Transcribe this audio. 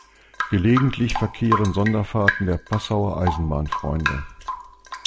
Gelegentlich verkehren Sonderfahrten der Passauer Eisenbahnfreunde.